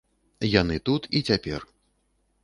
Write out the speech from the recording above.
Яны тут і цяпер.